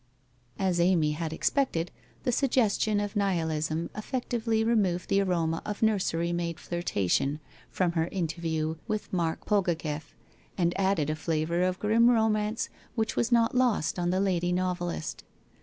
' As Amy had expected, the suggestion of Nihilism effec tively removed the aroma of nursery maid flirtation from her interview with Mark Pogogeff, and added a flavour of grim romance which was not lost on the lady novelist.